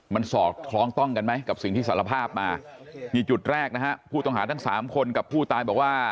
มันสอดคล้องต้องกันไหมกับสิ่งที่สารภาพมานี่จุดแรกนะฮะผู้ต้องหาทั้งสามคนกับผู้ตายบอกว่า